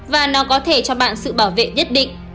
và nó có thể cho bạn sự bảo vệ nhất định